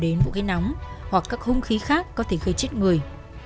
đẩy mạnh đến vũ khí nóng hoặc các hung khí khác có thể gây chết người